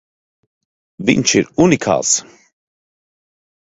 Viņš ir unikāls!